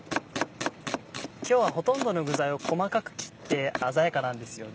今日はほとんどの具材を細かく切って鮮やかなんですよね。